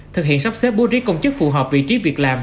thực hiện sắp xếp bố trí công chức phù hợp vị trí việc làm